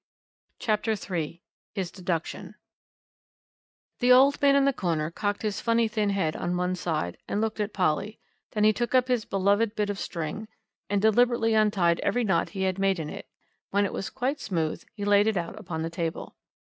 CHAPTER III HIS DEDUCTION The man in the corner cocked his funny thin head on one side and looked at Polly; then he took up his beloved bit of string and deliberately untied every knot he had made in it. When it was quite smooth he laid it out upon the table.